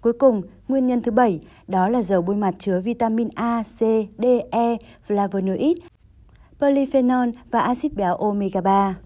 cuối cùng nguyên nhân thứ bảy đó là dầu bôi mặt chứa vitamin a c d e flavonoid polyphenol và acid béo omega ba